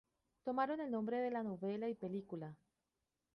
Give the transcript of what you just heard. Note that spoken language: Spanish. Tomaron el nombre de la novela y película.